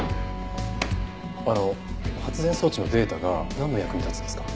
あの発電装置のデータがなんの役に立つんですか？